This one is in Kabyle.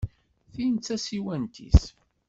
Tin d tasiwant-is?